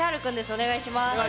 お願いします。